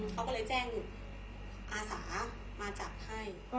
เขาก็เลยแจ้งอาสามาจับให้